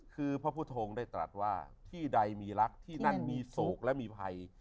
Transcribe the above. คือพระพุทธงได้ตรัสว่าที่ใดมีรักที่นั่นมีโศกและมีภัย